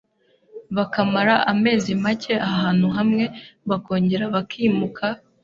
bakamara amezi make ahantu hamwe bakongera bakimuka,